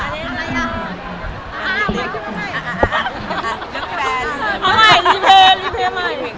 รีเพลร์ใหม่